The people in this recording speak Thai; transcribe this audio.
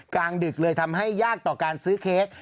กลางดึกเลยทำให้ยากต่อการซื้อเค้ก